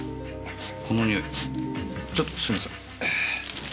この匂いちょっとすいません。